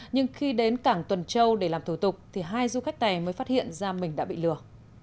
nhưng khi đến cảng tuần châu để làm thủ tục thì hai du khách này mới phát hiện ra mình đã bị lừa